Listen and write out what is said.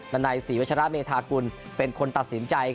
นายศรีวัชระเมธากุลเป็นคนตัดสินใจ